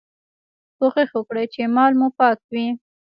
کوښښ وکړئ چي مال مو پاک وي.